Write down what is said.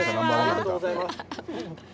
ありがとうございます。